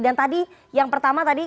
dan tadi yang pertama tadi